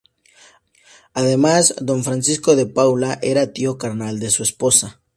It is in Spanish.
Además, don Francisco de Paula era tío carnal de su esposa.